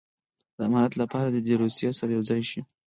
د امارت لپاره دې د روسیې سره یو ځای شي.